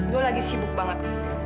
gue lagi sibuk banget